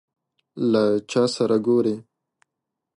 له چا سره ګورې ؟